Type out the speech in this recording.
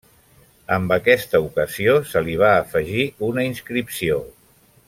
Amb aquesta ocasió se li va afegir una inscripció.